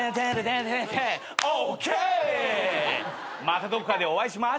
またどこかでお会いしま。